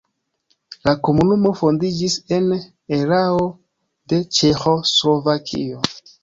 La komunumo fondiĝis en erao de Ĉeĥoslovakio.